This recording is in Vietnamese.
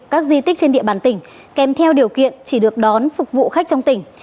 các di tích trên địa bàn tỉnh kèm theo điều kiện chỉ được đón phục vụ khách trong tỉnh